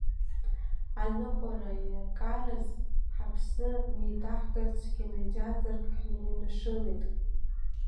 Аныҟәара иаркараз ҳаԥсы неиҭаҳкырц кинотеатрк ҳныҩнашылеит.